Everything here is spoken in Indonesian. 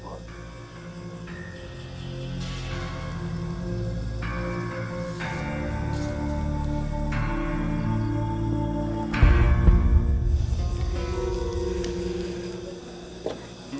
baik gusti prabu